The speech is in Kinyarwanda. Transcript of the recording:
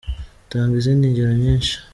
tanga izindi ngero nyinshi.